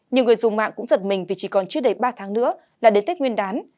nhiều người dùng mạng cũng giật mình vì chỉ còn chưa đầy ba tháng nữa là đến tết nguyên đán